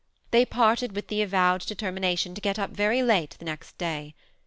They parted with the avowed determination to get up very late the next day.